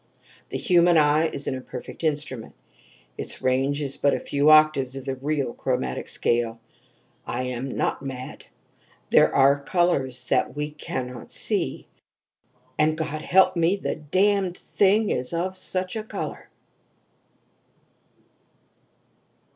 The human eye is an imperfect instrument; its range is but a few octaves of the real 'chromatic scale' I am not mad; there are colors that we can not see. "And, God help me! the Damned Thing is of such a color!"